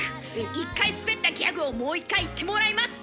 一回滑ったギャグをもう一回言ってもらいます。